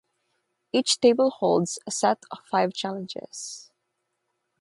Each table holds a set of five challenges.